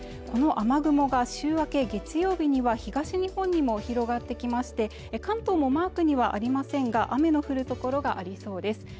この雨雲が週明け月曜日には東日本にも広がってきまして関東もマークにはありませんが雨の降る所がありそうです